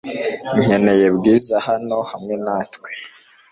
Nkeneye Bwiza hano hamwe natwe .